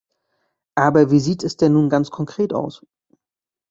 Aber wie sieht es denn nun ganz konkret aus?